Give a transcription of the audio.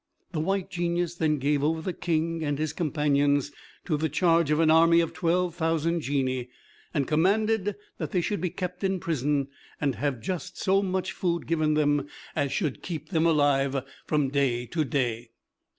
The White Genius then gave over the King and his companions to the charge of an army of twelve thousand Genii, and commanded that they should be kept in prison, and have just so much food given them as should keep them alive from day to day.